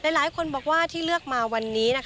หลายคนบอกว่าที่เลือกมาวันนี้